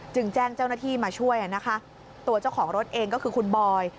แจ้งเจ้าหน้าที่มาช่วยนะคะตัวเจ้าของรถเองก็คือคุณบอย